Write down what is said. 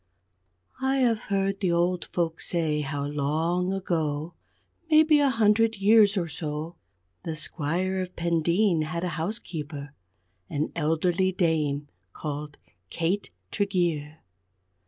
I have heard the old folks say how long ago maybe a hundred years or so the Squire of Pendeen had a housekeeper, an elderly dame, called Kate Tregeer.